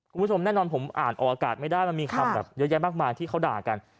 คุณผู้ชมแน่นอนผมอ่านออกอากาศไม่ได้มันมีคำแบบเยอะแยะมากมายที่เขาด่ากัน